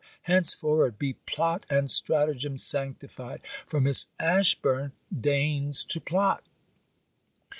Henceforward be plot and stratagem sanctified! for Miss Ashburn deigns to plot.